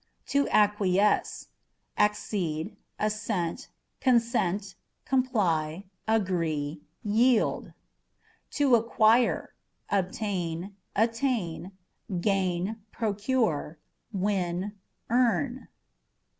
To Acquiesce â€" accede, assent, consent, comply, agree, yield. To Acquire â€" obtain, attain, gain, procure ; win, earn.